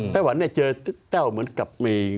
ไต้หวันเจอเต้าเหมือนกับ